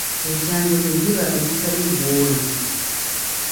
Ekyanjo ly’eddiba eritali ggwoole.